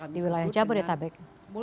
di wilayah jabodetabek